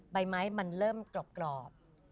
ใบไม้มันเริ่มกรอบ